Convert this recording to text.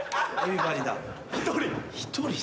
１人？